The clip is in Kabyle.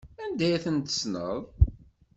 Anda ay ten-tessneḍ?